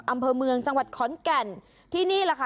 อำเภอเมืองจังหวัดขอนแก่นที่นี่แหละค่ะ